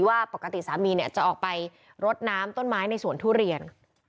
ว่าปกติสามีเนี่ยจะออกไปรดน้ำต้นไม้ในสวนทุเรียน